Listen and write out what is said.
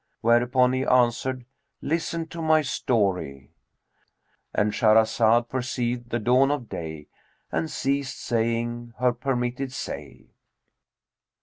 Whereupon he answered, "Listen to my story" And Shahrazed perceived the dawn of day and ceased saying her permitted say.